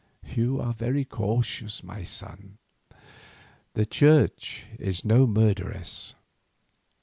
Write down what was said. "You are very cautious, my son. The Church is no murderess.